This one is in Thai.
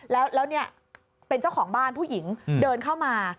แล้วเนี่ยเป็นเจ้าของบ้านผู้หญิงเดินเข้ามา